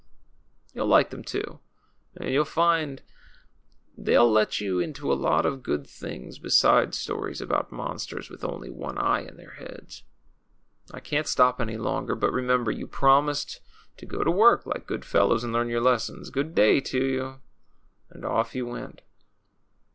You'll like them, too ; and you'll find they'll let you into a lot of good things besides stories about monsters with only one eye in their heads. I can't stop any longer ; but remember, you promised to go to work like THE THRILLING STORY OF CAPTAIN NOiWAN. 119 good fellows^ and learn your lessons. Good day to you." And off he went.